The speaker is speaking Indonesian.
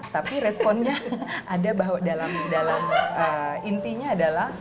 tapi responnya ada bahwa dalam intinya adalah